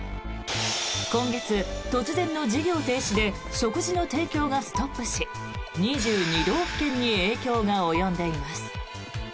今月、突然の事業停止で食事の提供がストップし２２道府県に影響が及んでいます。